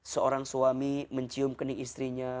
seorang suami mencium kening istrinya